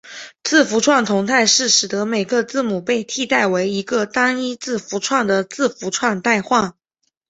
字符串同态是使得每个字母被替代为一个单一字符串的字符串代换。